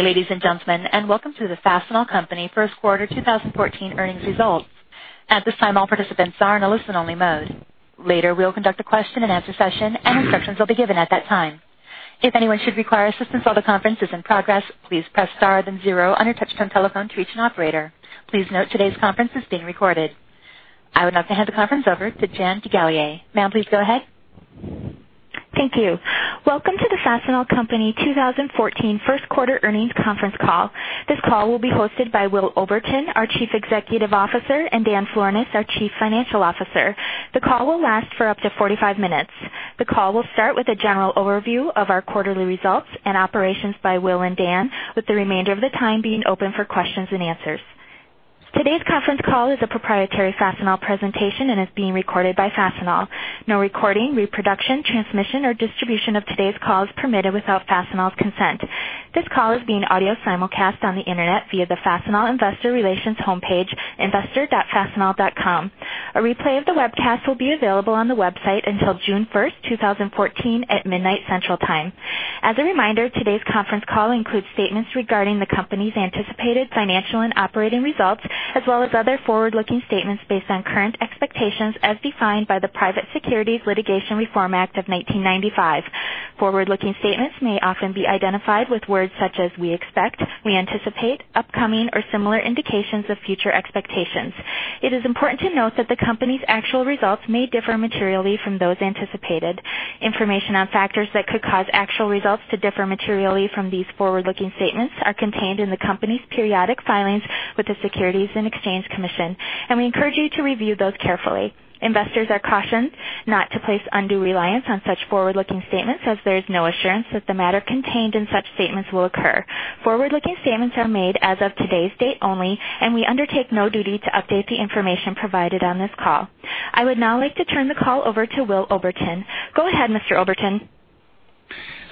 Good day, ladies and gentlemen, welcome to the Fastenal Company first quarter 2014 earnings results. At this time, all participants are in a listen-only mode. Later, we'll conduct a question-and-answer session, and instructions will be given at that time. If anyone should require assistance while the conference is in progress, please press star then zero on your touchtone telephone to reach an operator. Please note today's conference is being recorded. I would now like to hand the conference over to Jan DeGallier. Ma'am, please go ahead. Thank you. Welcome to the Fastenal Company 2014 first quarter earnings conference call. This call will be hosted by Will Oberton, our Chief Executive Officer, and Dan Florness, our Chief Financial Officer. The call will last for up to 45 minutes. The call will start with a general overview of our quarterly results and operations by Will and Dan, with the remainder of the time being open for questions and answers. Today's conference call is a proprietary Fastenal presentation and is being recorded by Fastenal. No recording, reproduction, transmission, or distribution of today's call is permitted without Fastenal's consent. This call is being audio simulcast on the internet via the Fastenal investor relations homepage, investor.fastenal.com. A replay of the webcast will be available on the website until June 1st, 2014, at midnight central time. As a reminder, today's conference call includes statements regarding the company's anticipated financial and operating results, as well as other forward-looking statements based on current expectations as defined by the Private Securities Litigation Reform Act of 1995. Forward-looking statements may often be identified with words such as "we expect," "we anticipate," "upcoming," or similar indications of future expectations. It is important to note that the company's actual results may differ materially from those anticipated. Information on factors that could cause actual results to differ materially from these forward-looking statements are contained in the company's periodic filings with the Securities and Exchange Commission, and we encourage you to review those carefully. Investors are cautioned not to place undue reliance on such forward-looking statements as there is no assurance that the matter contained in such statements will occur. Forward-looking statements are made as of today's date only, and we undertake no duty to update the information provided on this call. I would now like to turn the call over to Will Oberton. Go ahead, Mr. Oberton.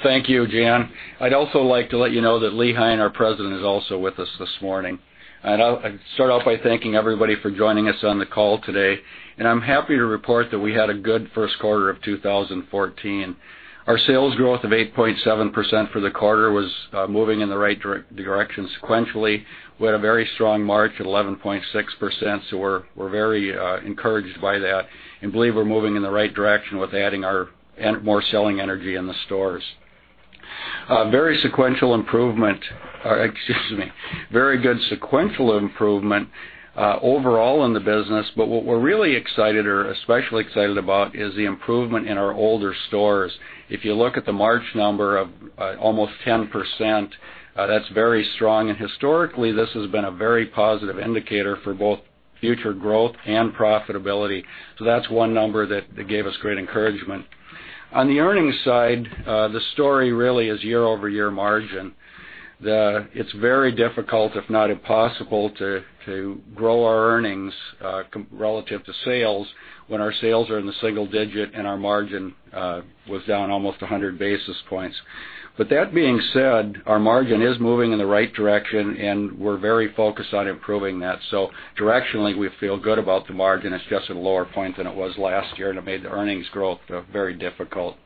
Thank you, Jan. I'd also like to let you know that Lee Hein, our president, is also with us this morning. I'll start off by thanking everybody for joining us on the call today. I'm happy to report that we had a good first quarter of 2014. Our sales growth of 8.7% for the quarter was moving in the right direction sequentially. We had a very strong March at 11.6%, we're very encouraged by that and believe we're moving in the right direction with adding more selling energy in the stores. Very good sequential improvement overall in the business. What we're really excited or especially excited about is the improvement in our older stores. If you look at the March number of almost 10%, that's very strong, and historically, this has been a very positive indicator for both future growth and profitability. That's one number that gave us great encouragement. On the earnings side, the story really is year-over-year margin. It's very difficult, if not impossible, to grow our earnings relative to sales when our sales are in the single digit and our margin was down almost 100 basis points. That being said, our margin is moving in the right direction, and we're very focused on improving that. Directionally, we feel good about the margin. It's just at a lower point than it was last year, and it made the earnings growth very difficult.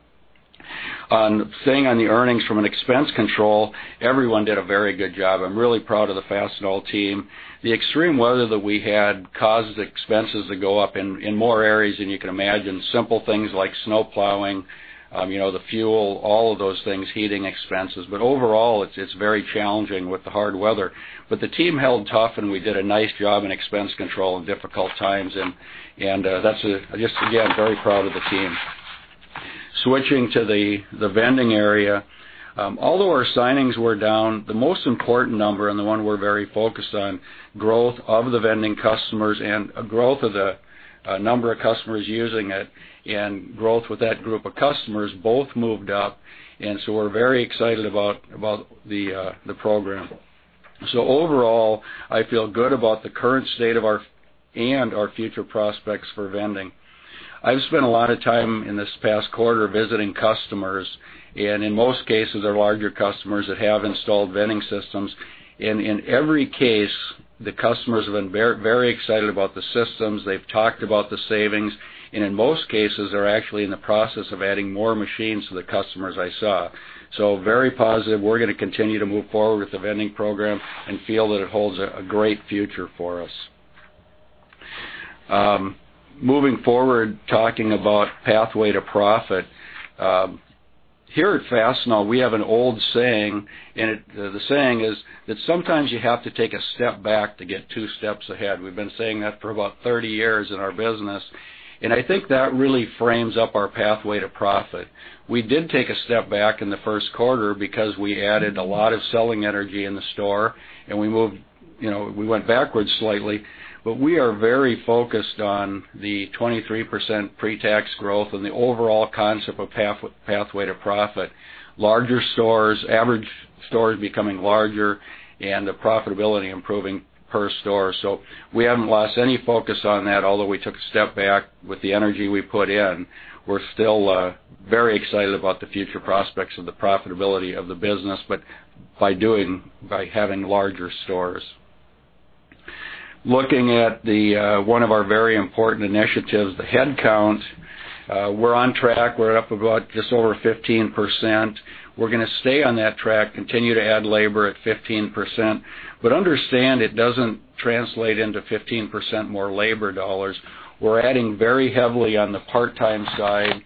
Staying on the earnings from an expense control, everyone did a very good job. I'm really proud of the Fastenal team. The extreme weather that we had caused expenses to go up in more areas than you can imagine. Simple things like snow plowing, the fuel, all of those things, heating expenses. Overall, it's very challenging with the hard weather. The team held tough, and we did a nice job in expense control in difficult times, and just again, very proud of the team. Switching to the vending area. Although our signings were down, the most important number and the one we're very focused on, growth of the vending customers and growth of the number of customers using it and growth with that group of customers both moved up. We're very excited about the program. Overall, I feel good about the current state and our future prospects for vending. I've spent a lot of time in this past quarter visiting customers, and in most cases, they're larger customers that have installed vending systems. In every case, the customers have been very excited about the systems. They've talked about the savings, and in most cases, are actually in the process of adding more machines to the customers I saw. Very positive. We're going to continue to move forward with the vending program and feel that it holds a great future for us. Moving forward, talking about Pathway to Profit. Here at Fastenal, we have an old saying, the saying is that sometimes you have to take a step back to get two steps ahead. We've been saying that for about 30 years in our business, I think that really frames up our Pathway to Profit. We did take a step back in the first quarter because we added a lot of selling energy in the store, we went backwards slightly. We are very focused on the 23% pretax growth and the overall concept of Pathway to Profit. Larger stores, average stores becoming larger, and the profitability improving per store. We haven't lost any focus on that, although we took a step back with the energy we put in. We're still very excited about the future prospects of the profitability of the business by having larger stores. Looking at one of our very important initiatives, the headcount. We're on track. We're up about just over 15%. We're going to stay on that track, continue to add labor at 15%, but understand it doesn't translate into 15% more labor dollars. We're adding very heavily on the part-time side,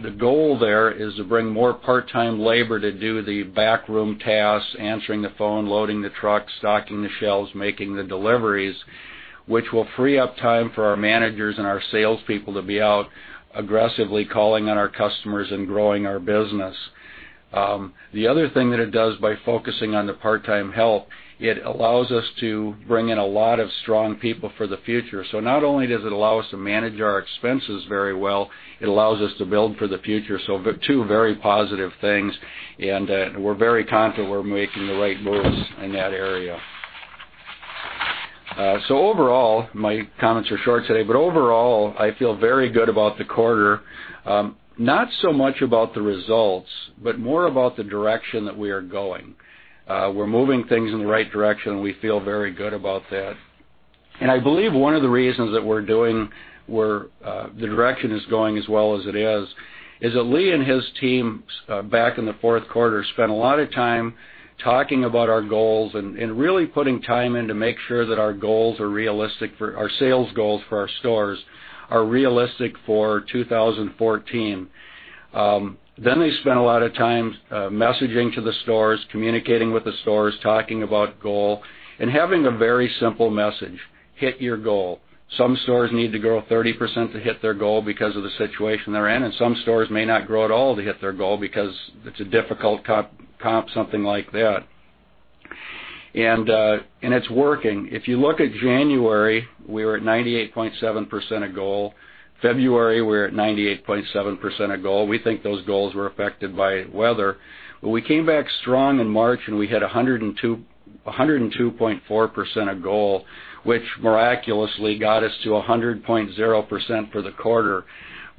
the goal there is to bring more part-time labor to do the backroom tasks, answering the phone, loading the truck, stocking the shelves, making the deliveries, which will free up time for our managers and our salespeople to be out aggressively calling on our customers and growing our business. The other thing that it does by focusing on the part-time help, it allows us to bring in a lot of strong people for the future. Not only does it allow us to manage our expenses very well, it allows us to build for the future. Two very positive things, and we're very confident we're making the right moves in that area. Overall, my comments are short today, but overall, I feel very good about the quarter. Not so much about the results, but more about the direction that we are going. We're moving things in the right direction, we feel very good about that. I believe one of the reasons that the direction is going as well as it is that Lee and his team, back in the fourth quarter, spent a lot of time talking about our goals and really putting time in to make sure that our sales goals for our stores are realistic for 2014. They spent a lot of time messaging to the stores, communicating with the stores, talking about goal, and having a very simple message, "Hit your goal." Some stores need to grow 30% to hit their goal because of the situation they're in, and some stores may not grow at all to hit their goal because it's a difficult comp, something like that. It's working. If you look at January, we were at 98.7% of goal. February, we were at 98.7% of goal. We came back strong in March, and we hit 102.4% of goal, which miraculously got us to 100.0% for the quarter.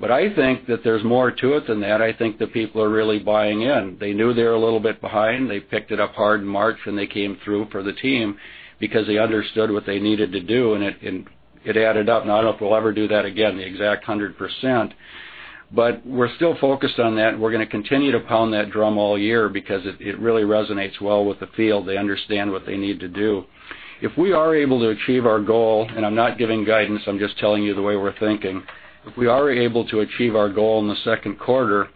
I think that there's more to it than that. I think the people are really buying in. They knew they were a little bit behind. They picked it up hard in March, and they came through for the team because they understood what they needed to do, and it added up. I don't know if we'll ever do that again, the exact 100%, but we're still focused on that, and we're going to continue to pound that drum all year because it really resonates well with the field. They understand what they need to do. If we are able to achieve our goal, I'm not giving guidance, I'm just telling you the way we're thinking. If we are able to achieve our goal in the second quarter,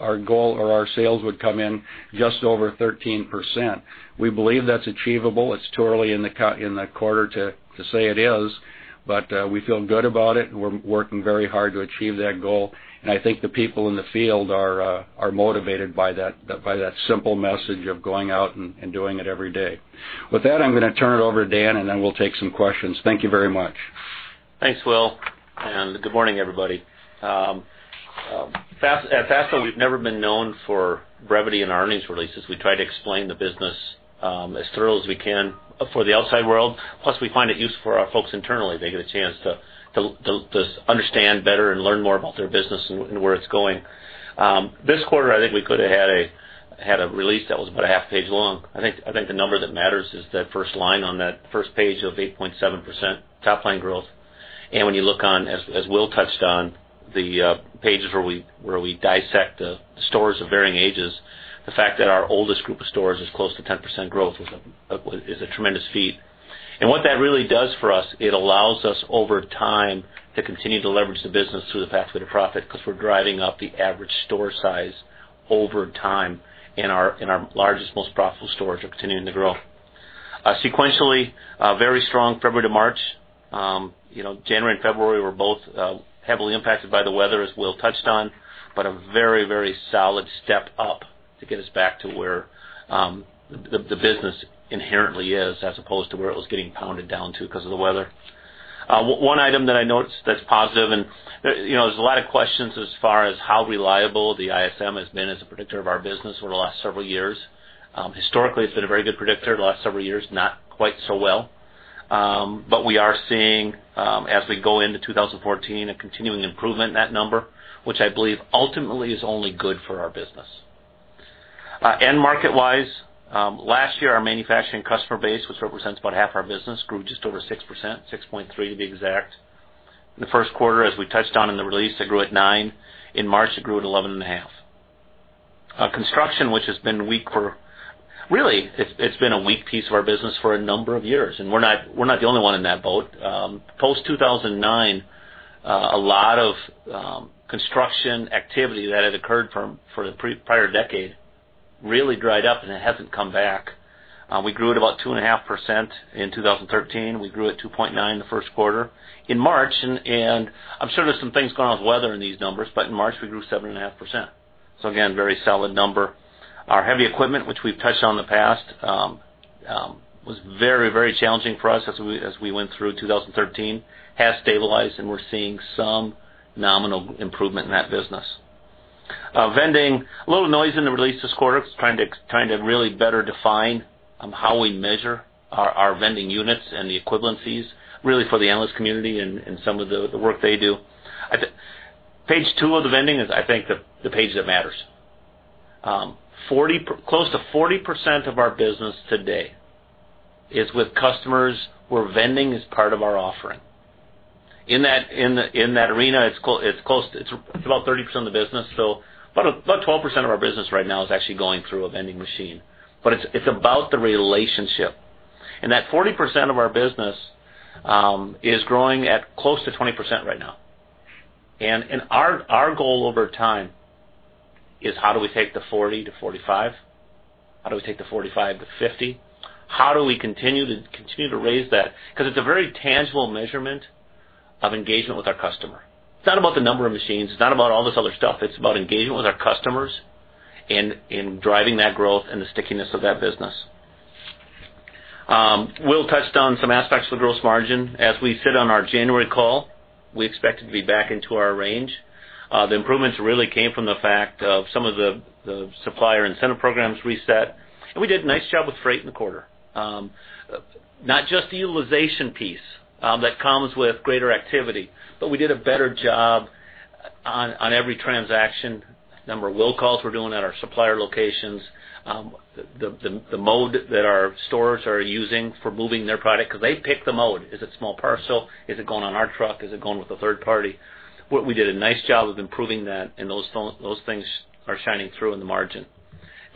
our sales would come in just over 13%. We believe that's achievable. It's too early in the quarter to say it is, but we feel good about it. We're working very hard to achieve that goal, I think the people in the field are motivated by that simple message of going out and doing it every day. With that, I'm going to turn it over to Dan, then we'll take some questions. Thank you very much. Thanks, Will, good morning, everybody. At Fastenal, we've never been known for brevity in our earnings releases. We try to explain the business as thorough as we can for the outside world, plus we find it useful for our folks internally. They get a chance to understand better and learn more about their business and where it's going. This quarter, I think we could've had a release that was about a half page long. I think the number that matters is that first line on that first page of 8.7% top-line growth. When you look on, as Will touched on, the pages where we dissect the stores of varying ages, the fact that our oldest group of stores is close to 10% growth is a tremendous feat. What that really does for us, it allows us over time to continue to leverage the business through the Pathway to Profit because we're driving up the average store size over time. Our largest, most profitable stores are continuing to grow. Sequentially, very strong February to March. January and February were both heavily impacted by the weather, as Will touched on, but a very solid step up to get us back to where the business inherently is, as opposed to where it was getting pounded down to because of the weather. One item that I noticed that's positive, there's a lot of questions as far as how reliable the ISM has been as a predictor of our business over the last several years. Historically, it's been a very good predictor. The last several years, not quite so well. We are seeing, as we go into 2014, a continuing improvement in that number, which I believe ultimately is only good for our business. End market-wise, last year, our manufacturing customer base, which represents about half our business, grew just over 6%, 6.3% to be exact. In the first quarter, as we touched on in the release, it grew at 9%. In March, it grew at 11.5%. Construction, really, it's been a weak piece of our business for a number of years. We're not the only one in that boat. Post-2009, a lot of construction activity that had occurred for the prior decade really dried up. It hasn't come back. We grew at about 2.5% in 2013. We grew at 2.9% in the first quarter. I'm sure there's some things going on with weather in these numbers, in March, we grew 7.5%. Very solid number. Our heavy equipment, which we've touched on in the past, was very challenging for us as we went through 2013, has stabilized, and we're seeing some nominal improvement in that business. Vending, a little noise in the release this quarter, trying to really better define how we measure our vending units and the equivalencies, really for the analyst community and some of the work they do. Page two of the vending is, I think, the page that matters. Close to 40% of our business today is with customers where vending is part of our offering. In that arena, it's about 30% of the business. About 12% of our business right now is actually going through a vending machine. It's about the relationship. That 40% of our business is growing at close to 20% right now. Our goal over time is how do we take the 40%-45%? How do we take the 45%-50%? How do we continue to raise that? Because it's a very tangible measurement of engagement with our customer. It's not about the number of machines, it's not about all this other stuff. It's about engagement with our customers and driving that growth and the stickiness of that business. Will touched on some aspects of the gross margin. As we said on our January call, we expected to be back into our range. The improvements really came from the fact of some of the supplier incentive programs reset. We did a nice job with freight in the quarter. Not just the utilization piece that comes with greater activity, we did a better job on every transaction. Number of will calls we're doing at our supplier locations, the mode that our stores are using for moving their product. They pick the mode. Is it small parcel? Is it going on our truck? Is it going with a third party? We did a nice job of improving that. Those things are shining through in the margin.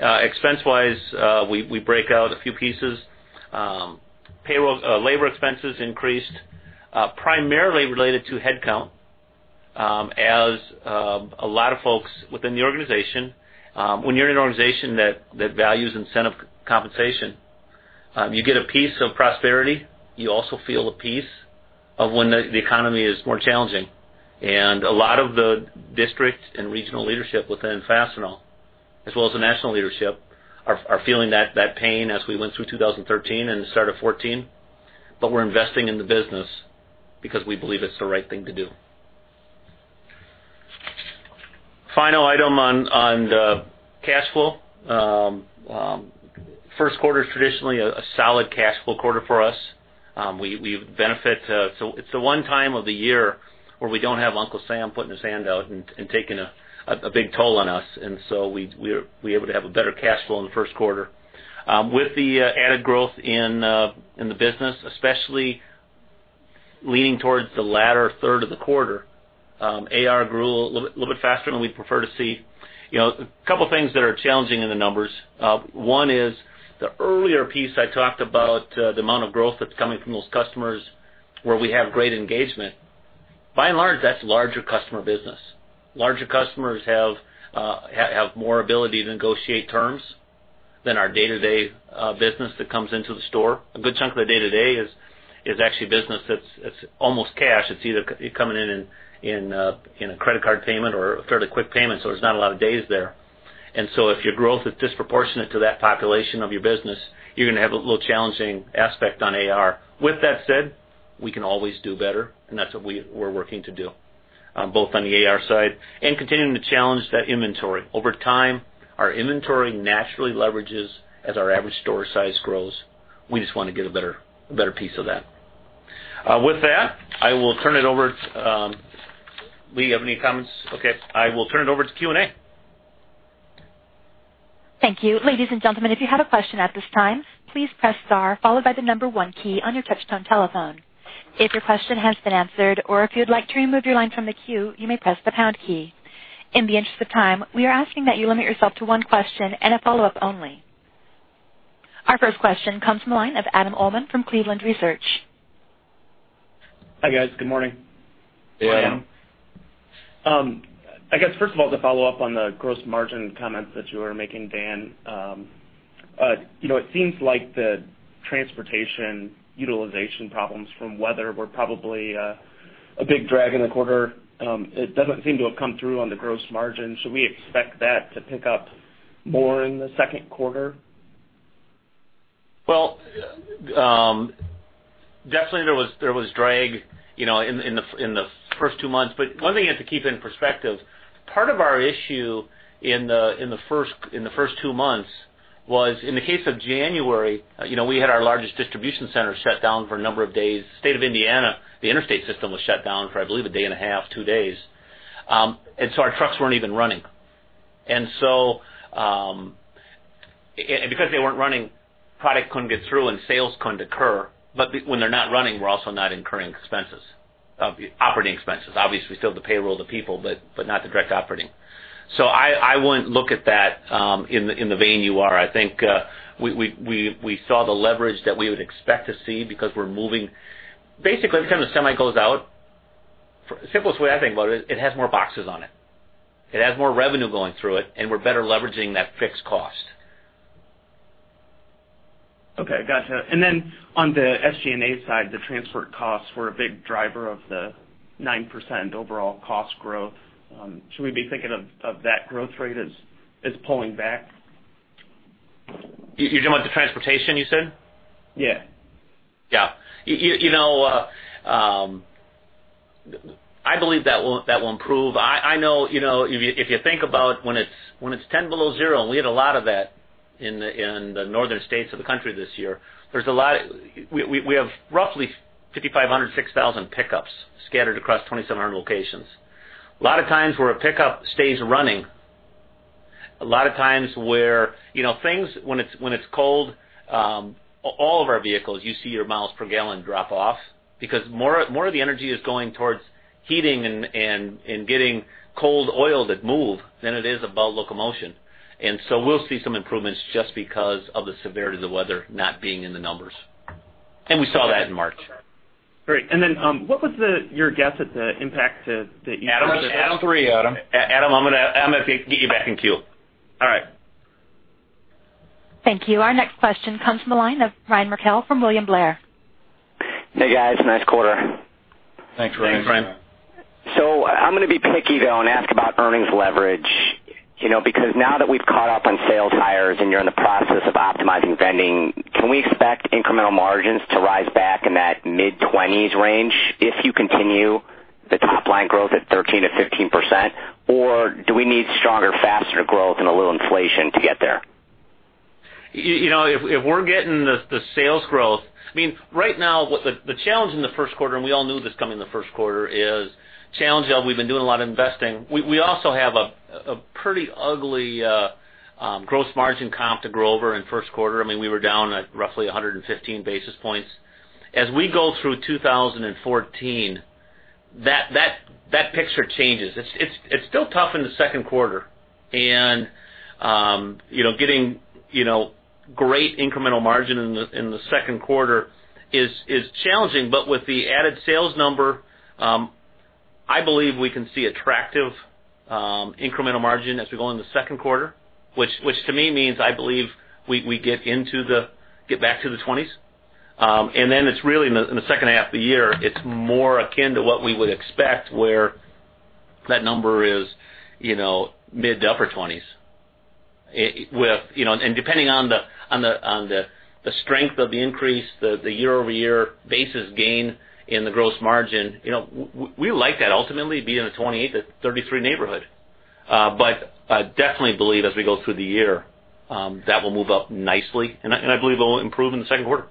Expense-wise, we break out a few pieces. Labor expenses increased, primarily related to headcount, as a lot of folks within the organization. When you're in an organization that values incentive compensation, you get a piece of prosperity. You also feel a piece of when the economy is more challenging. A lot of the district and regional leadership within Fastenal, as well as the national leadership, are feeling that pain as we went through 2013 and the start of 2014. We're investing in the business because we believe it's the right thing to do. Final item on the cash flow. First quarter is traditionally a solid cash flow quarter for us. It's the one time of the year where we don't have Uncle Sam putting his hand out and taking a big toll on us. We're able to have a better cash flow in the first quarter. With the added growth in the business, especially leaning towards the latter third of the quarter, AR grew a little bit faster than we prefer to see. A couple things that are challenging in the numbers. One is the earlier piece I talked about, the amount of growth that's coming from those customers where we have great engagement. By and large, that's larger customer business. Larger customers have more ability to negotiate terms than our day-to-day business that comes into the store. A good chunk of the day-to-day is actually business that's almost cash. It's either coming in a credit card payment or a fairly quick payment, so there's not a lot of days there. If your growth is disproportionate to that population of your business, you're going to have a little challenging aspect on AR. With that said, we can always do better, and that's what we're working to do, both on the AR side and continuing to challenge that inventory. Over time, our inventory naturally leverages as our average store size grows. We just want to get a better piece of that. With that, I will turn it over. Lee, you have any comments? Okay. I will turn it over to Q&A. Thank you. Ladies and gentlemen, if you have a question at this time, please press star followed by the one key on your touchtone telephone. If your question has been answered or if you'd like to remove your line from the queue, you may press the pound key. In the interest of time, we are asking that you limit yourself to one question and a follow-up only. Our first question comes from the line of Adam Uhlman from Cleveland Research. Hi, guys. Good morning. Hey, Adam Uhlman. I guess first of all, to follow up on the gross margin comments that you were making, Dan. It seems like the transportation utilization problems from weather were probably a big drag in the quarter. It doesn't seem to have come through on the gross margin. Should we expect that to pick up more in the second quarter? Well, definitely there was drag in the first two months. One thing you have to keep in perspective, part of our issue in the first two months was, in the case of January, we had our largest distribution center shut down for a number of days. State of Indiana, the interstate system was shut down for, I believe, a day and a half, two days. Our trucks weren't even running. Because they weren't running, product couldn't get through and sales couldn't occur. When they're not running, we're also not incurring operating expenses. Obviously, still the payroll of the people, but not the direct operating. I wouldn't look at that in the vein you are. I think we saw the leverage that we would expect to see because Basically, every time the semi goes out, simplest way I think about it has more boxes on it. It has more revenue going through it, and we're better leveraging that fixed cost. Okay, gotcha. On the SG&A side, the transport costs were a big driver of the 9% overall cost growth. Should we be thinking of that growth rate as pulling back? You're talking about the transportation, you said? Yeah. Yeah. I believe that will improve. If you think about when it's 10 below zero, and we had a lot of that in the northern states of the country this year. We have roughly 5,500-6,000 pickups scattered across 2,700 locations. A lot of times where a pickup stays running, a lot of times when it's cold, all of our vehicles, you see your miles per gallon drop off, because more of the energy is going towards heating and getting cold oil to move than it is about locomotion. So we'll see some improvements just because of the severity of the weather not being in the numbers. We saw that in March. Great. What was your guess at the impact to the Adam three, Adam. Adam, I'm going to get you back in queue. All right. Thank you. Our next question comes from the line of Ryan Merkel from William Blair. Hey, guys, nice quarter. Thanks, Ryan. Thanks, Ryan. I'm going to be picky though and ask about earnings leverage, because now that we've caught up on sales hires and you're in the process of optimizing vending, can we expect incremental margins to rise back in that mid-20s range if you continue the top-line growth at 13%-15%? Do we need stronger, faster growth and a little inflation to get there? If we're getting the sales growth, right now, the challenge in the first quarter, and we all knew this coming in the first quarter, is challenge that we've been doing a lot of investing. We also have a pretty ugly gross margin comp to grow over in the first quarter. We were down at roughly 115 basis points. As we go through 2014, that picture changes. It's still tough in the second quarter, and getting great incremental margin in the second quarter is challenging. With the added sales number, I believe we can see attractive incremental margin as we go in the second quarter, which to me means I believe we get back to the 20s. Then it's really in the second half of the year, it's more akin to what we would expect, where that number is mid to upper 20s. Depending on the strength of the increase, the year-over-year basis gain in the gross margin, we like that ultimately be in the 28 to 33 neighborhood. I definitely believe as we go through the year, that will move up nicely, and I believe it will improve in the second quarter.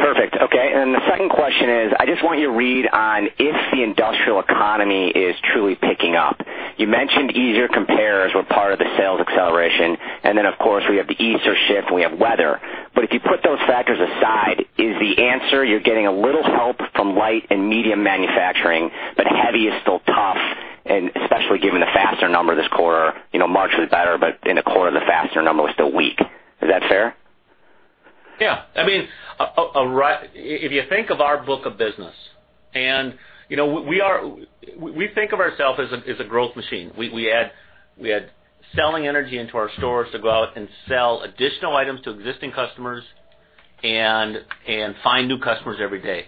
Perfect. Okay. Then the second question is, I just want your read on if the industrial economy is truly picking up. You mentioned easier compares were part of the sales acceleration, then, of course, we have the Easter shift, and we have weather. If you put those factors aside, is the answer you're getting a little help from light and medium manufacturing, but heavy is still tough, and especially given the Fastenal number this quarter, March was better, but in the quarter, the Fastenal number was still weak. Is that fair? Yeah. If you think of our book of business, we think of ourself as a growth machine. We had selling energy into our stores to go out and sell additional items to existing customers and find new customers every day.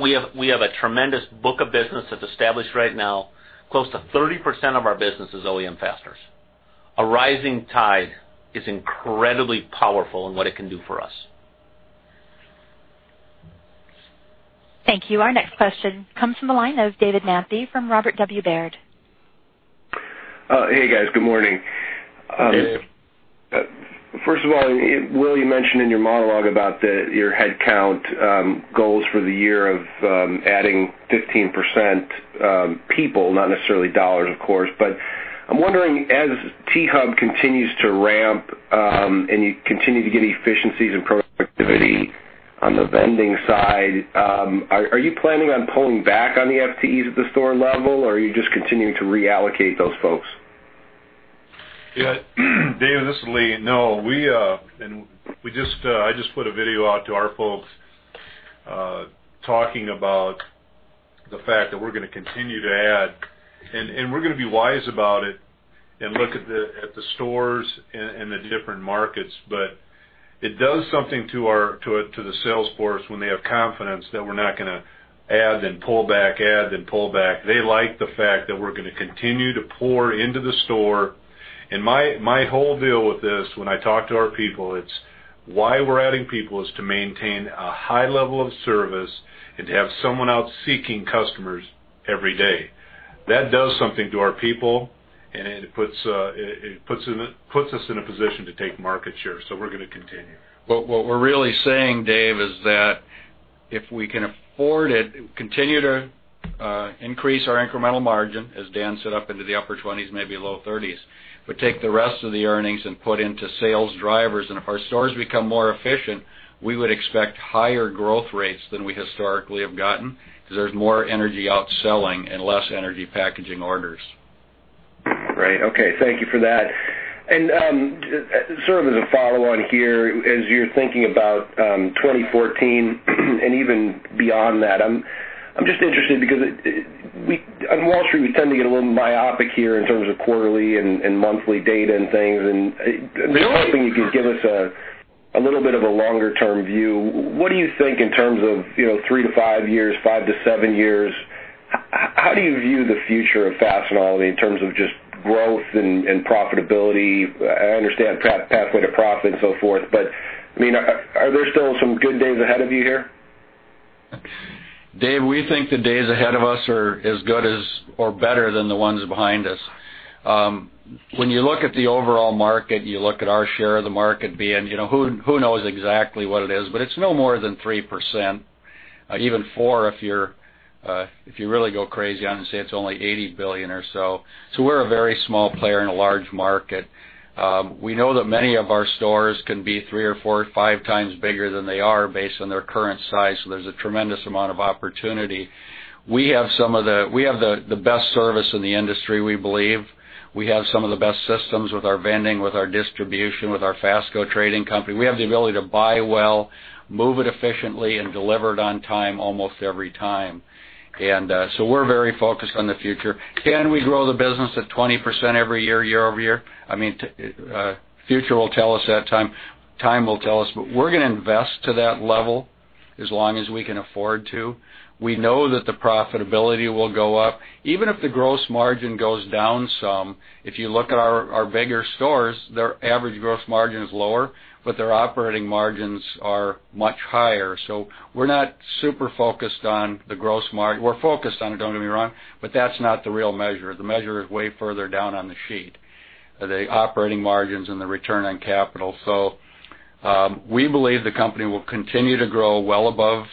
We have a tremendous book of business that's established right now. Close to 30% of our business is OEM Fasteners. A rising tide is incredibly powerful in what it can do for us. Thank you. Our next question comes from the line of David Manthey from Robert W. Baird. Hey, guys. Good morning. Hey, Dave. First of all, Will, you mentioned in your monologue about your headcount goals for the year of adding 15% people, not necessarily dollars, of course, but I'm wondering, as T-HUB continues to ramp, and you continue to get efficiencies and productivity on the vending side, are you planning on pulling back on the FTEs at the store level, or are you just continuing to reallocate those folks? Yeah. Dave, this is Lee. No. I just put a video out to our folks, talking about the fact that we're going to continue to add, and we're going to be wise about it and look at the stores and the different markets. It does something to the sales force when they have confidence that we're not going to add then pull back, add then pull back. They like the fact that we're going to continue to pour into the store. My whole deal with this, when I talk to our people, it's why we're adding people is to maintain a high level of service and to have someone out seeking customers every day. That does something to our people, and it puts us in a position to take market share. We're going to continue. What we're really saying, Dave, is that if we can afford it, continue to increase our incremental margin, as Dan said, up into the upper 20s, maybe low 30s, take the rest of the earnings and put into sales drivers, and if our stores become more efficient, we would expect higher growth rates than we historically have gotten because there's more energy out selling and less energy packaging orders. Right. Okay. Thank you for that. Sort of as a follow-on here, as you're thinking about 2014 and even beyond that, I'm just interested because on Wall Street, we tend to get a little myopic here in terms of quarterly and monthly data and things, and I was hoping you could give us a little bit of a longer-term view. What do you think in terms of three to five years, five to seven years? How do you view the future of Fastenal in terms of just growth and profitability? I understand Pathway to Profit and so forth, are there still some good days ahead of you here? Dave, we think the days ahead of us are as good as or better than the ones behind us. When you look at the overall market, you look at our share of the market being, who knows exactly what it is, but it's no more than 3%, even 4% if you really go crazy on it, say it's only $80 billion or so. We're a very small player in a large market. We know that many of our stores can be three or four or five times bigger than they are based on their current size. There's a tremendous amount of opportunity. We have the best service in the industry, we believe. We have some of the best systems with our vending, with our distribution, with our Fastco Trading Company. We have the ability to buy well, move it efficiently, and deliver it on time almost every time. We're very focused on the future. Can we grow the business at 20% every year-over-year? Future will tell us that. Time will tell us. We're going to invest to that level as long as we can afford to. We know that the profitability will go up. Even if the gross margin goes down some, if you look at our bigger stores, their average gross margin is lower, but their operating margins are much higher. We're not super focused on the gross margin. We're focused on it, don't get me wrong, but that's not the real measure. The measure is way further down on the sheet, the operating margins and the return on capital. We believe the company will continue to grow well above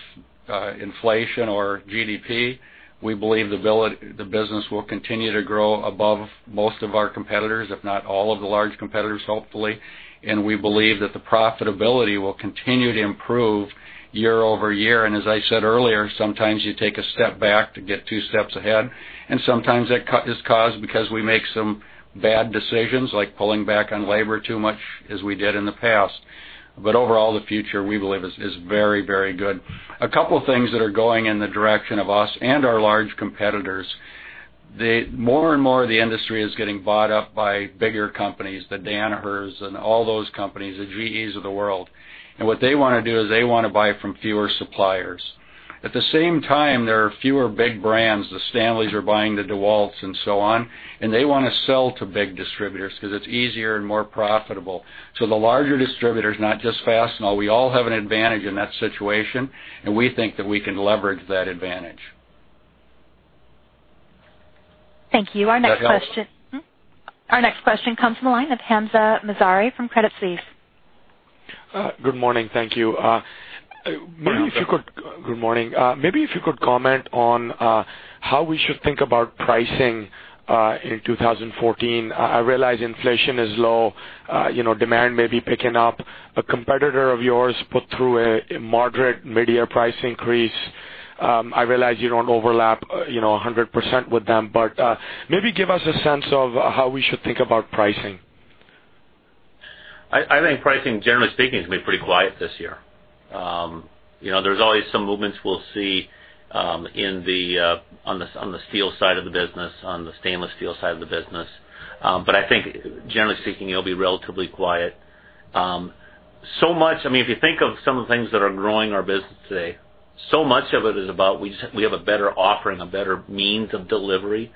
inflation or GDP. We believe the business will continue to grow above most of our competitors, if not all of the large competitors, hopefully. We believe that the profitability will continue to improve year-over-year. As I said earlier, sometimes you take a step back to get two steps ahead, and sometimes that is caused because we make some bad decisions, like pulling back on labor too much as we did in the past. Overall, the future, we believe, is very good. A couple things that are going in the direction of us and our large competitors. More and more of the industry is getting bought up by bigger companies, the Danaher's and all those companies, the GE's of the world. What they want to do is they want to buy from fewer suppliers. At the same time, there are fewer big brands. The Stanley's are buying the DeWalt's and so on, and they want to sell to big distributors because it's easier and more profitable. The larger distributors, not just Fastenal, we all have an advantage in that situation, and we think that we can leverage that advantage. Thank you. Does that help? Our next question comes from the line of Hamzah Mazari from Credit Suisse. Good morning, thank you. Good morning. Maybe if you could comment on how we should think about pricing in 2014. I realize inflation is low. Demand may be picking up. A competitor of yours put through a moderate mid-year price increase. I realize you don't overlap 100% with them, but maybe give us a sense of how we should think about pricing. I think pricing, generally speaking, is going to be pretty quiet this year. There's always some movements we'll see on the steel side of the business, on the stainless steel side of the business. I think generally speaking, it'll be relatively quiet. If you think of some of the things that are growing our business today, so much of it is about we have a better offering, a better means of delivery.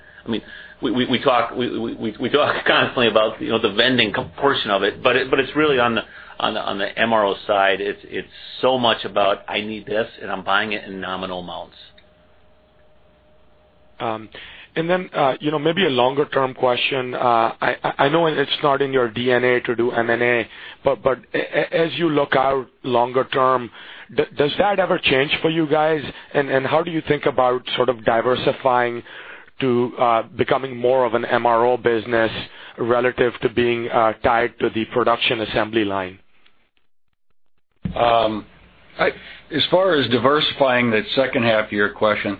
We talk constantly about the vending portion of it, but it's really on the MRO side. It's so much about, I need this, and I'm buying it in nominal amounts. Then, maybe a longer-term question. I know it's not in your DNA to do M&A, but as you look out longer term, does that ever change for you guys? How do you think about sort of diversifying to becoming more of an MRO business relative to being tied to the production assembly line? As far as diversifying the second half of your question,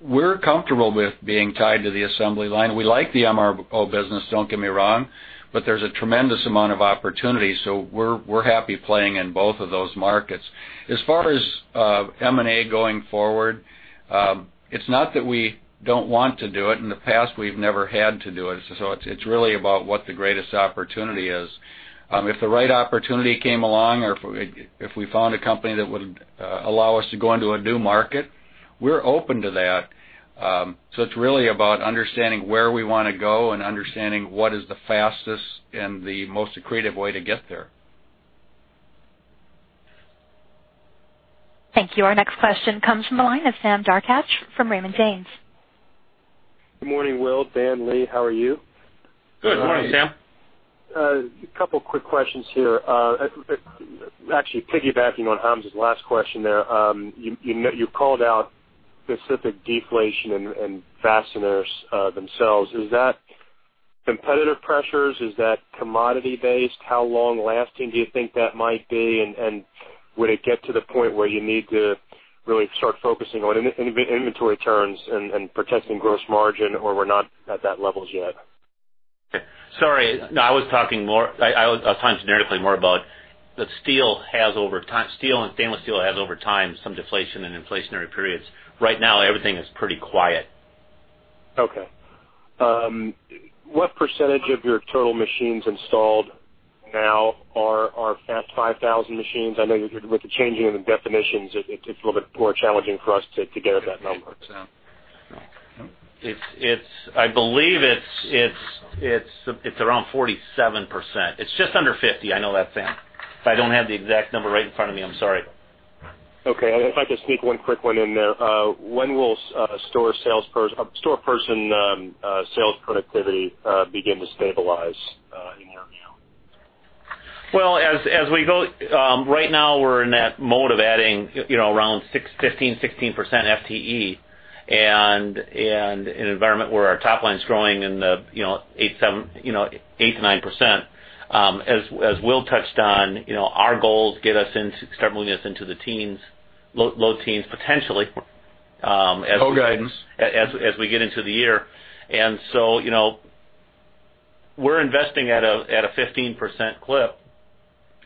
we're comfortable with being tied to the assembly line. We like the MRO business, don't get me wrong, but there's a tremendous amount of opportunity, so we're happy playing in both of those markets. As far as M&A going forward, it's not that we don't want to do it. In the past, we've never had to do it. It's really about what the greatest opportunity is. If the right opportunity came along, or if we found a company that would allow us to go into a new market, we're open to that. It's really about understanding where we want to go and understanding what is the fastest and the most accretive way to get there. Thank you. Our next question comes from the line of Sam Darkatsh from Raymond James. Good morning, Will, Dan, Lee. How are you? Good morning, Sam. A couple quick questions here. Actually piggybacking on Hamzah's last question there. You called out specific deflation in fasteners themselves. Is that competitive pressures? Is that commodity based? How long-lasting do you think that might be, and would it get to the point where you need to really start focusing on inventory turns and protecting gross margin, or we're not at that levels yet? Sorry. No, I was talking more, I was talking generically more about the steel and stainless steel has, over time, some deflation and inflationary periods. Right now, everything is pretty quiet. Okay. What % of your total machines installed now are FAST 5000 machines? I know with the changing of the definitions, it's a little bit more challenging for us to get at that number. I believe it's around 47%. It's just under 50. I know that, Sam. If I don't have the exact number right in front of me, I'm sorry. Okay. If I could sneak one quick one in there, when will store person sales productivity begin to stabilize in your view? Well, right now we're in that mode of adding around 15%-16% FTE and in an environment where our top line's growing in the 8%-9%. As Will touched on, our goal is to get us into the low teens, potentially. Co-guidance As we get into the year. We're investing at a 15% clip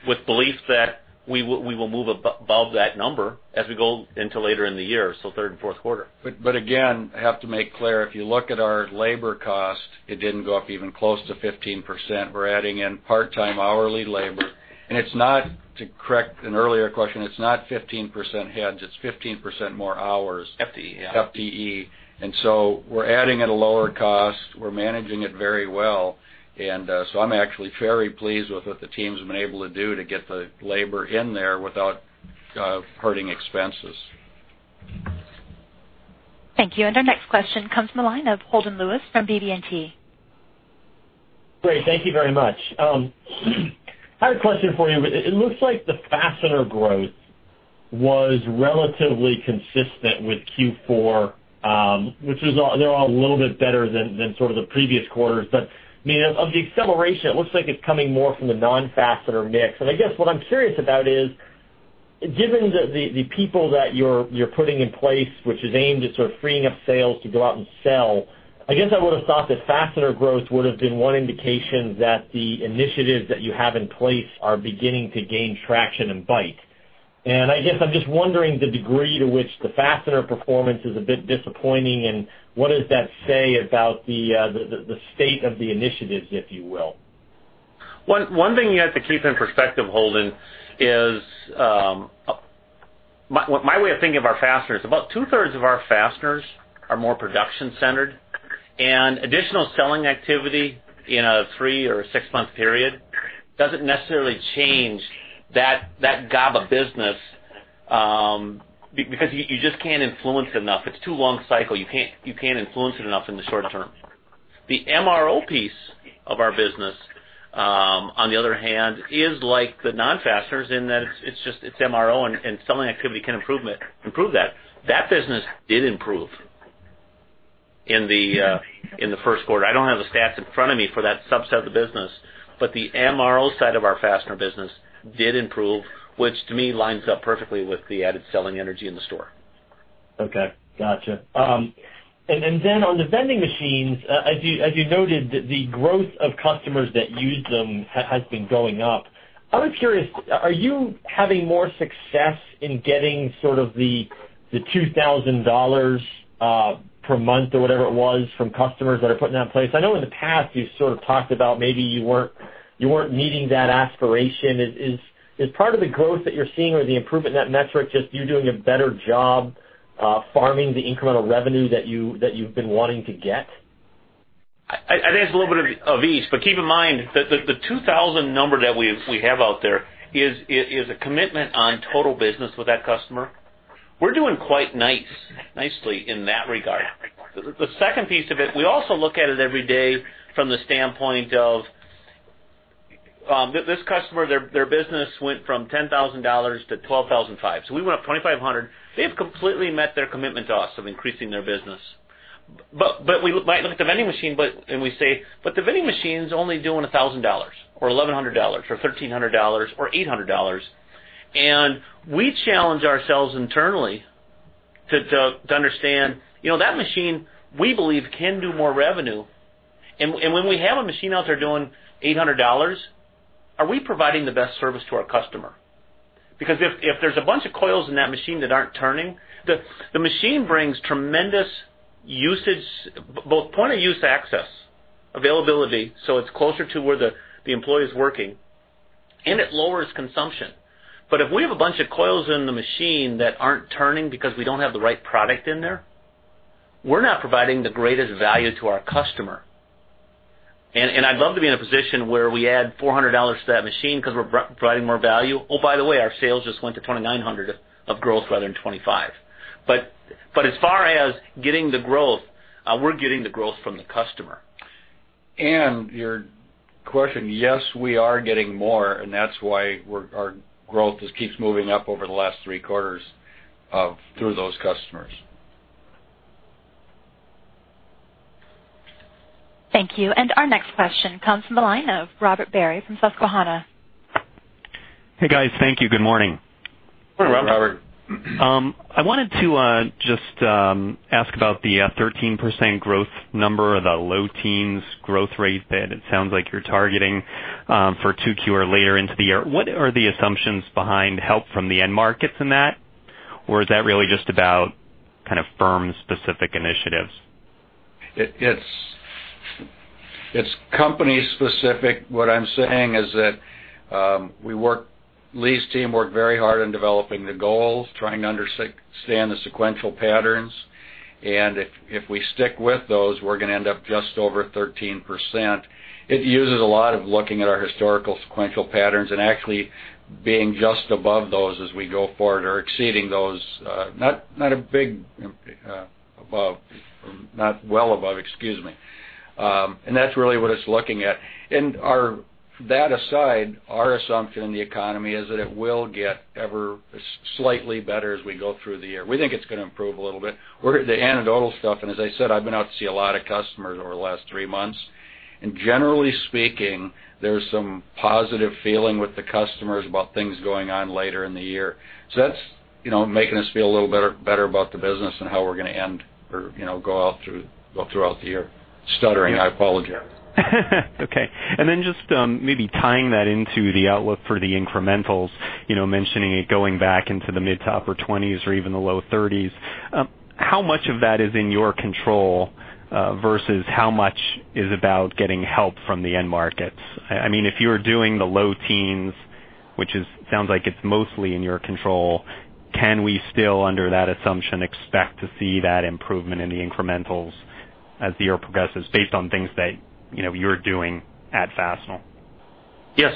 with belief that we will move above that number as we go into later in the year, so third and fourth quarter. Again, I have to make clear, if you look at our labor cost, it didn't go up even close to 15%. We're adding in part-time hourly labor, and to correct an earlier question, it's not 15% heads, it's 15% more hours. FTE, yeah. FTE. We're adding at a lower cost. We're managing it very well. I'm actually very pleased with what the team's been able to do to get the labor in there without hurting expenses. Thank you. Our next question comes from the line of Holden Lewis from BB&T. Great. Thank you very much. I had a question for you. It looks like the fastener growth was relatively consistent with Q4, which they're all a little bit better than sort of the previous quarters. I mean, of the acceleration, it looks like it's coming more from the non-fastener mix. I guess what I'm curious about is, given that the people that you're putting in place, which is aimed at sort of freeing up sales to go out and sell, I guess I would've thought that fastener growth would've been one indication that the initiatives that you have in place are beginning to gain traction and bite. I guess I'm just wondering the degree to which the fastener performance is a bit disappointing, and what does that say about the state of the initiatives, if you will? One thing you have to keep in perspective, Holden, is my way of thinking of our fasteners, about two-thirds of our fasteners are more production centered. Additional selling activity in a three or six-month period doesn't necessarily change that gap of business, because you just can't influence it enough. It's too long cycle. You can't influence it enough in the short term. The MRO piece of our business, on the other hand, is like the non-fasteners in that it's MRO, and selling activity can improve that. That business did improve in the first quarter. I don't have the stats in front of me for that subset of the business, but the MRO side of our fastener business did improve, which to me lines up perfectly with the added selling energy in the store. Okay. Gotcha. On the vending machines, as you noted, the growth of customers that use them has been going up. I was curious, are you having more success in getting sort of the $2,000 per month or whatever it was from customers that are putting that in place? I know in the past you've sort of talked about maybe you weren't meeting that aspiration. Is part of the growth that you're seeing or the improvement in that metric just you doing a better job farming the incremental revenue that you've been wanting to get? I think it's a little bit of each. Keep in mind that the 2,000 number that we have out there is a commitment on total business with that customer. We're doing quite nicely in that regard. The second piece of it, we also look at it every day from the standpoint of this customer, their business went from $10,000 to $12,500. We went up $2,500. They've completely met their commitment to us of increasing their business. We might look at the vending machine, and we say, "The vending machine's only doing $1,000 or $1,100 or $1,300 or $800." We challenge ourselves internally to understand that machine, we believe, can do more revenue. When we have a machine out there doing $800, are we providing the best service to our customer? Because if there's a bunch of coils in that machine that aren't turning, the machine brings tremendous usage, both point-of-use access, availability, so it's closer to where the employee's working, and it lowers consumption. If we have a bunch of coils in the machine that aren't turning because we don't have the right product in there, we're not providing the greatest value to our customer. I'd love to be in a position where we add $400 to that machine because we're providing more value. Oh, by the way, our sales just went to $2,900 of growth rather than 25. As far as getting the growth, we're getting the growth from the customer. To your question, yes, we are getting more, and that's why our growth just keeps moving up over the last three quarters through those customers. Thank you. Our next question comes from the line of Robert Barry from Susquehanna. Hey, guys. Thank you. Good morning. Morning, Robert. Robert. I wanted to just ask about the 13% growth number or the low teens growth rate that it sounds like you're targeting for 2Q or later into the year. What are the assumptions behind help from the end markets in that? Or is that really just about kind of firm specific initiatives? It's company specific. What I'm saying is that Lee's team worked very hard on developing the goals, trying to understand the sequential patterns, and if we stick with those, we're going to end up just over 13%. It uses a lot of looking at our historical sequential patterns and actually being just above those as we go forward or exceeding those. Not well above, excuse me. That's really what it's looking at. That aside, our assumption in the economy is that it will get ever slightly better as we go through the year. We think it's going to improve a little bit. We're at the anecdotal stuff, and as I said, I've been out to see a lot of customers over the last three months. Generally speaking, there's some positive feeling with the customers about things going on later in the year. That's making us feel a little better about the business and how we're going to end or go throughout the year. Stuttering, I apologize. Okay. Just maybe tying that into the outlook for the incrementals, mentioning it going back into the mid-to-upper 20s or even the low 30s, how much of that is in your control, versus how much is about getting help from the end markets? If you're doing the low teens, which sounds like it's mostly in your control, can we still, under that assumption, expect to see that improvement in the incrementals as the year progresses based on things that you're doing at Fastenal? Yes.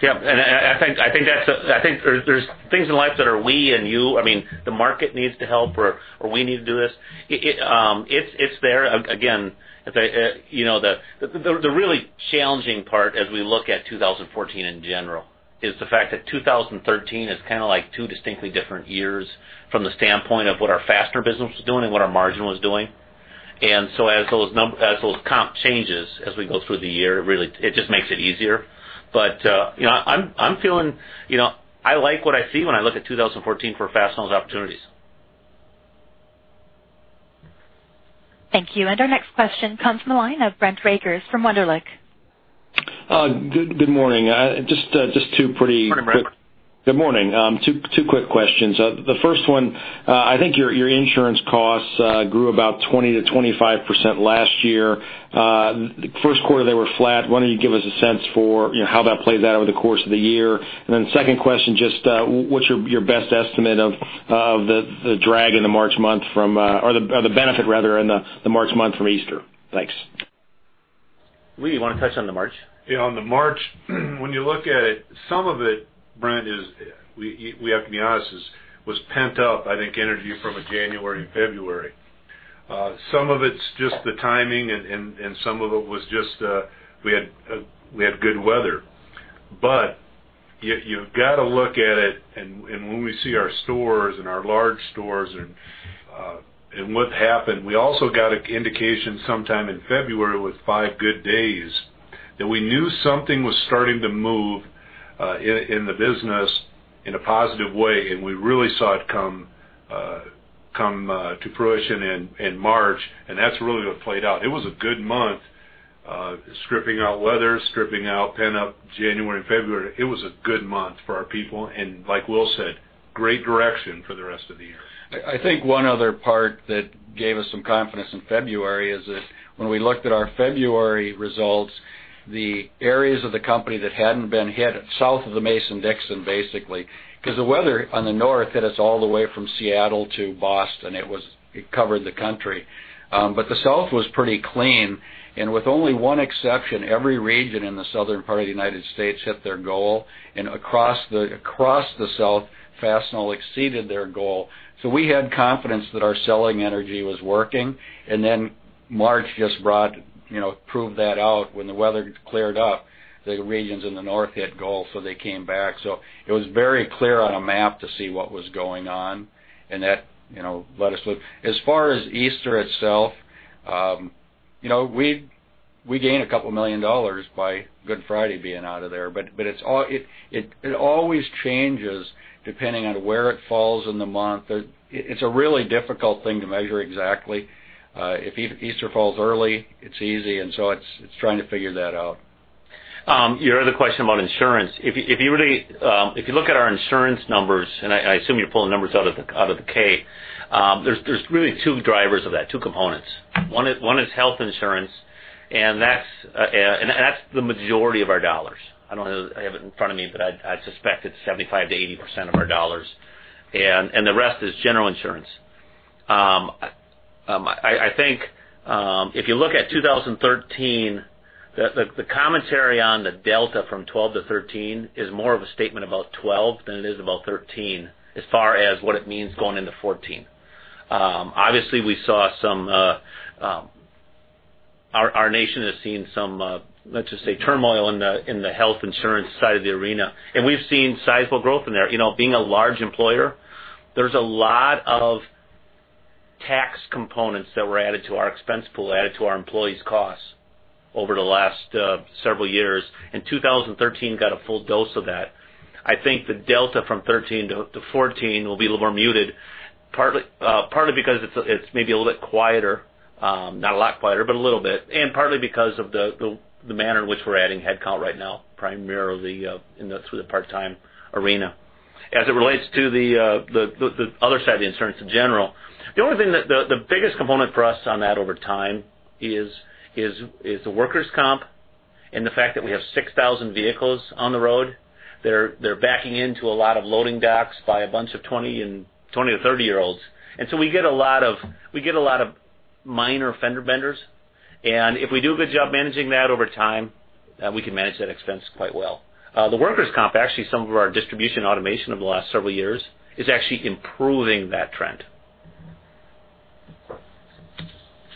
I think there's things in life that are we and you. The market needs to help or we need to do this. It's there. Again, the really challenging part as we look at 2014 in general is the fact that 2013 is like two distinctly different years from the standpoint of what our faster business was doing and what our margin was doing. As those comp changes, as we go through the year, really, it just makes it easier. I like what I see when I look at 2014 for Fastenal's opportunities. Thank you. Our next question comes from the line of Brent Rakers from Wunderlich. Good morning. Just two pretty quick- Morning, Brent. Good morning. Two quick questions. The first one, I think your insurance costs grew about 20%-25% last year. First quarter, they were flat. Why don't you give us a sense for how that plays out over the course of the year? Second question, just what's your best estimate of the drag in the March month from, or the benefit rather in the March month from Easter? Thanks. Lee, you want to touch on the March? Yeah, on the March, when you look at it, some of it, Brent, is, we have to be honest, was pent up, I think, energy from January and February. Some of it's just the timing, and some of it was just we had good weather. You've got to look at it, and when we see our stores and our large stores and what happened, we also got an indication sometime in February with five good days that we knew something was starting to move in the business in a positive way, and we really saw it come to fruition in March, and that's really what played out. It was a good month stripping out weather, stripping out pent up January and February. It was a good month for our people and like Will said, great direction for the rest of the year. I think one other part that gave us some confidence in February is that when we looked at our February results, the areas of the company that hadn't been hit south of the Mason-Dixon, basically. The weather on the north hit us all the way from Seattle to Boston. It covered the country. The south was pretty clean, and with only one exception, every region in the southern part of the United States hit their goal, and across the South, Fastenal exceeded their goal. We had confidence that our selling energy was working, March just proved that out. When the weather cleared up, the regions in the north hit goal, so they came back. It was very clear on a map to see what was going on, and that let us look. As far as Easter itself, we gain a couple million dollars by Good Friday being out of there, it always changes depending on where it falls in the month. It's a really difficult thing to measure exactly. If Easter falls early, it's easy, it's trying to figure that out. Your other question about insurance. If you look at our insurance numbers, and I assume you're pulling numbers out of the K, there's really two drivers of that, two components. One is health insurance, and that's the majority of our dollars. I don't have it in front of me, but I suspect it's 75% to 80% of our dollars, and the rest is general insurance. I think, if you look at 2013, the commentary on the delta from 2012 to 2013 is more of a statement about 2012 than it is about 2013 as far as what it means going into 2014. Obviously, our nation has seen some, let's just say, turmoil in the health insurance side of the arena, and we've seen sizable growth in there. Being a large employer, there's a lot of tax components that were added to our expense pool, added to our employees' costs over the last several years, and 2013 got a full dose of that. I think the delta from 2013 to 2014 will be a little more muted, partly because it's maybe a little bit quieter. Not a lot quieter, but a little bit, and partly because of the manner in which we're adding headcount right now, primarily through the part-time arena. As it relates to the other side of the insurance, in general, the only thing. The biggest component for us on that over time is the workers' comp and the fact that we have 6,000 vehicles on the road. They're backing into a lot of loading docks by a bunch of 20-30 year olds, and so we get a lot of minor fender benders, and if we do a good job managing that over time, we can manage that expense quite well. The workers' comp, actually, some of our distribution automation over the last several years is actually improving that trend.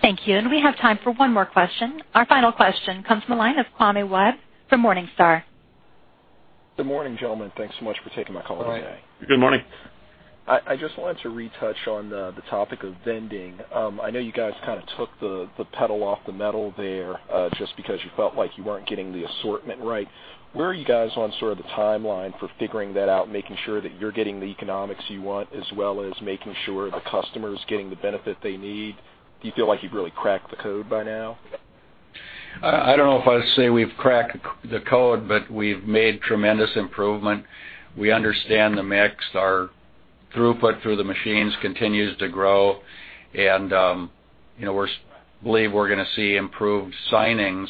Thank you. We have time for one more question. Our final question comes from the line of Kwame Webb from Morningstar. Good morning, gentlemen. Thanks so much for taking my call today. Good morning. I just wanted to re-touch on the topic of vending. I know you guys kind of took the pedal off the metal there, just because you felt like you weren't getting the assortment right. Where are you guys on sort of the timeline for figuring that out and making sure that you're getting the economics you want, as well as making sure the customer is getting the benefit they need? Do you feel like you've really cracked the code by now? I don't know if I'd say we've cracked the code, but we've made tremendous improvement. We understand the mix. Our throughput through the machines continues to grow, and we believe we're going to see improved signings.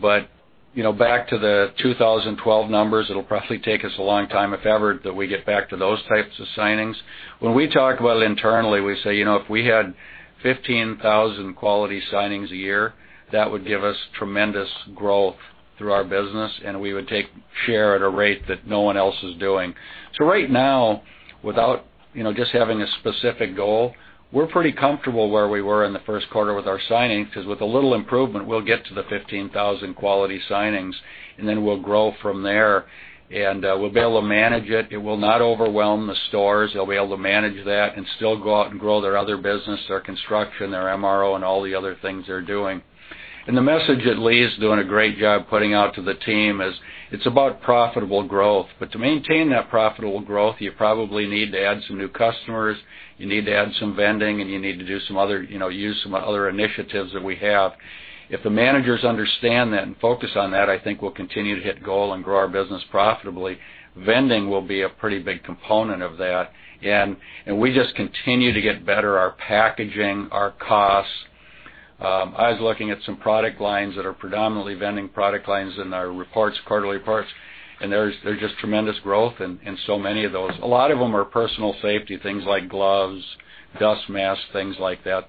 Back to the 2012 numbers, it'll probably take us a long time, if ever, that we get back to those types of signings. When we talk about it internally, we say, "If we had 15,000 quality signings a year, that would give us tremendous growth through our business, and we would take share at a rate that no one else is doing." Right now, without just having a specific goal, we're pretty comfortable where we were in the first quarter with our signings, because with a little improvement, we'll get to the 15,000 quality signings, and then we'll grow from there. We'll be able to manage it. It will not overwhelm the stores. They'll be able to manage that and still go out and grow their other business, their construction, their MRO, and all the other things they're doing. The message that Lee is doing a great job putting out to the team is, it's about profitable growth. To maintain that profitable growth, you probably need to add some new customers, you need to add some vending, and you need to use some other initiatives that we have. If the managers understand that and focus on that, I think we'll continue to hit goal and grow our business profitably. Vending will be a pretty big component of that, and we just continue to get better, our packaging, our costs. I was looking at some product lines that are predominantly vending product lines in our quarterly reports, there's just tremendous growth in so many of those. A lot of them are personal safety things, like gloves, dust masks, things like that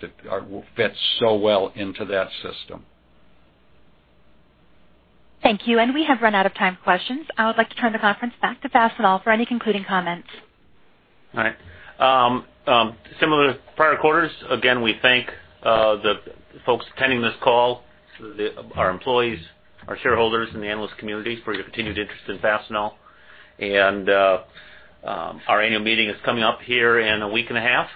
fit so well into that system. Thank you. We have run out of time for questions. I would like to turn the conference back to Fastenal for any concluding comments. All right. Similar to prior quarters, again, we thank the folks attending this call, our employees, our shareholders, and the analyst community for your continued interest in Fastenal. Our annual meeting is coming up here in a week and a half.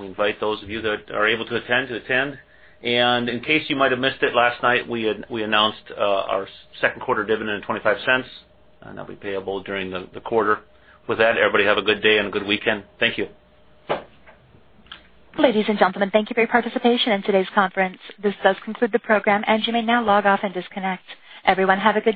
We invite those of you that are able to attend, to attend. In case you might have missed it last night, we announced our second quarter dividend of $0.25, and that'll be payable during the quarter. With that, everybody have a good day and a good weekend. Thank you. Ladies and gentlemen, thank you for your participation in today's conference. This does conclude the program. You may now log off and disconnect. Everyone, have a good day